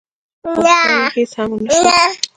خو په پايله کې هېڅ هم ونه شول.